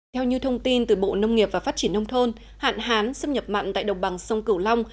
theo như thông tin từ bộ nông nghiệp và phát triển nông thôn hạn hán xâm nhập mặn tại đồng bằng sông cửu long